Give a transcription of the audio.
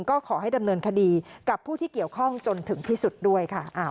ก็ขอให้ดำเนินคดีกับผู้ที่เกี่ยวข้องจนถึงที่สุดด้วยค่ะ